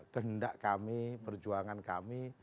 kehendak kami perjuangan kami